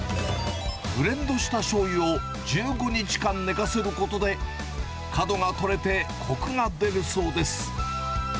ブレンドしたしょうゆを１５日間寝かせることで、かどがとれて、こくが出るそうです。